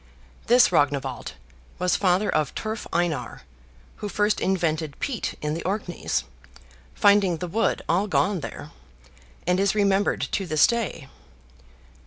This Rognwald was father of Turf Einar, who first invented peat in the Orkneys, finding the wood all gone there; and is remembered to this day.